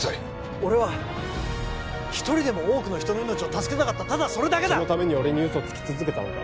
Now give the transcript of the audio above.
俺は一人でも多くの人の命を助けたかったただそれだけだそのために俺に嘘つき続けたのか？